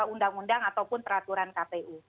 undang undang ataupun peraturan kpu